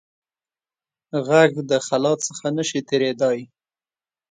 غږ د خلا څخه نه شي تېرېدای.